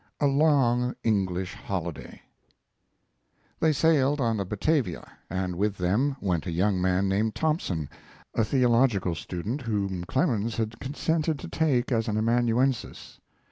XC. A LONG ENGLISH HOLIDAY They sailed on the Batavia, and with them went a young man named Thompson, a theological student whom Clemens had consented to take as an amanuensis.